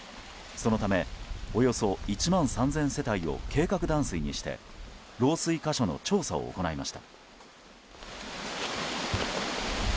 そのためおよそ１万３０００世帯を計画断水にして漏水箇所の調査を行いました。